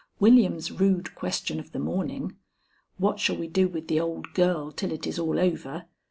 William's rude question of the morning, "What shall we do with the old girl till it is all over?"